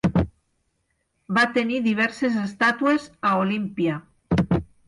Va tenir diverses estàtues a Olímpia.